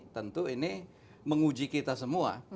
tentu ini menguji kita semua